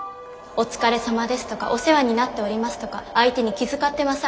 「お疲れさまです」とか「お世話になっております」とか相手に気遣ってます